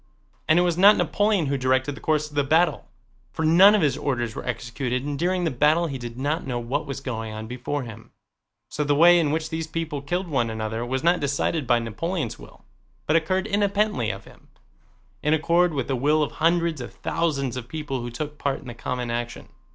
And it was not Napoleon who directed the course of the battle, for none of his orders were executed and during the battle he did not know what was going on before him. So the way in which these people killed one another was not decided by Napoleon's will but occurred independently of him, in accord with the will of hundreds of thousands of people who took part in the common action.